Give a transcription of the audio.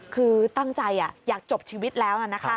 คือตั้งใจอยากจบชีวิตแล้ว